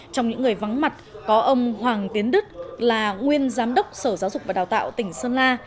trong những người vắng mặt có ông hoàng tiến đức là nguyên giám đốc sở giáo dục và đào tạo tỉnh sơn la